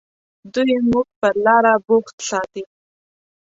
دوی موږ پر لاره بوخت ساتي.